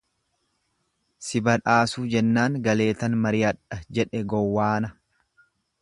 """Si badhaasuu"" jennaan galeetan mariyadha jedhe gowwaana."